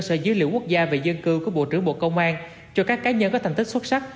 sở dữ liệu quốc gia về dân cư của bộ trưởng bộ công an cho các cá nhân có thành tích xuất sắc